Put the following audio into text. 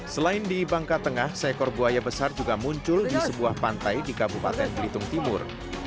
selain di bangka tengah seekor buaya besar juga muncul di sebuah pantai di kabupaten belitung timur